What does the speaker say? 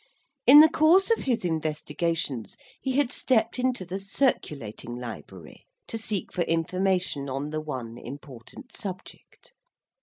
In the course of his investigations he had stepped into the Circulating Library, to seek for information on the one important subject.